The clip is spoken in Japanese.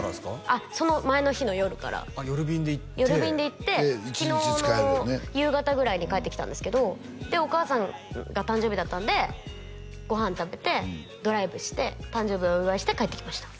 あっその前の日の夜から夜便で行って夜便で行って昨日の夕方ぐらいに帰ってきたんですけどでお母さんが誕生日だったんでご飯食べてドライブして誕生日をお祝いして帰ってきました